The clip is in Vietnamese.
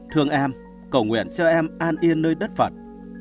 thương em cầu nguyện cho em an yên nơi đất phật